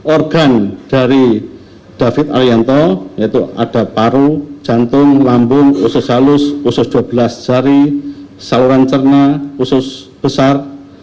organ dari david arianto yaitu ada paru jantung lambung usus halus usus dua belas jari saluran cerna usus besar